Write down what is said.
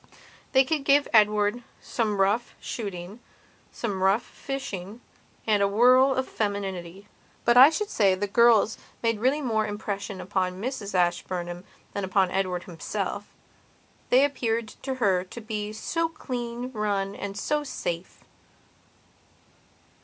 They could give Edward some rough shooting, some rough fishing and a whirl of femininity; but I should say the girls made really more impression upon Mrs Ashburnham than upon Edward himself. They appeared to her to be so clean run and so safe.